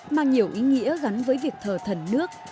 mang nhiều ý nghĩa gắn với việc thờ thần nước